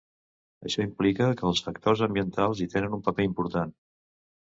Això implica que els factors ambientals hi tenen un paper important.